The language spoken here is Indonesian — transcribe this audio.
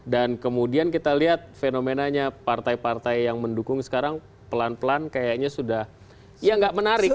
dan kemudian kita lihat fenomenanya partai partai yang mendukung sekarang pelan pelan kayaknya sudah ya nggak menarik